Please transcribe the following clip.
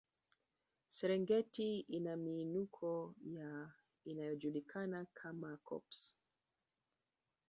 Serengeti ina miinuko ya inayojulikana kama koppes